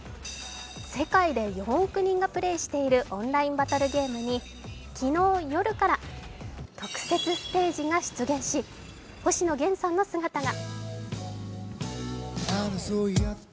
世界で４億人がプレーしているオンラインバトルゲームに昨日夜から特設ステージが出現し星野源さんの姿が。